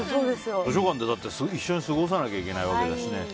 図書館で一緒に過ごさなきゃいけないわけだしね。